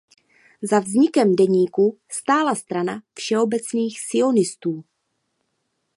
Za vznikem deníku stála strana Všeobecných sionistů.